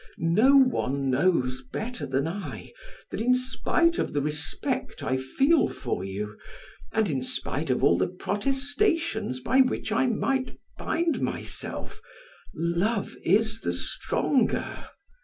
No one knows better than I, that in spite of the respect I feel for you, and in spite of all the protestations by which I might bind myself, love is the stronger.